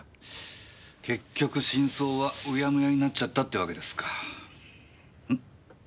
結局真相はうやむやになっちゃったってわけですか。